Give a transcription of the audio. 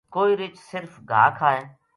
کوئی رچھ صرف گھا کھائے